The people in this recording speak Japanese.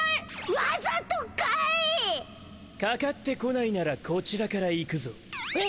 わざとかい！？かかってこないならこちらから行くぞえ！